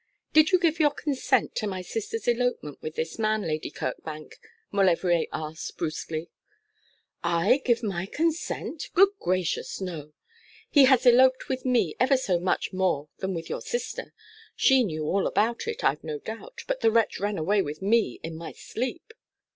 'Did you give your consent to my sister's elopement with this man, Lady Kirkbank?' Maulevrier asked, brusquely. 'I give my consent! Good gracious! no. He has eloped with me ever so much more than with your sister. She knew all about it, I've no doubt: but the wretch ran away with me in my sleep.'